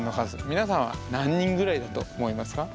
皆さんは何人ぐらいだと思いますか？